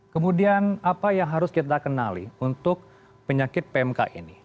kemudian apa yang harus kita kenali untuk penyakit pmk ini